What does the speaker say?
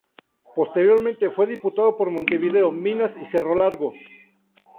Posteriormente fue Diputado por Montevideo, Minas y Cerro Largo.